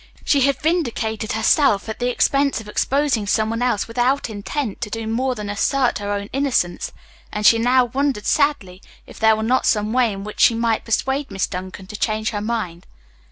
She had vindicated herself at the expense of exposing some one else without intent to do more than assert her own innocence, and she now wondered sadly if there were not some way in which she might persuade Miss Duncan to change her mind.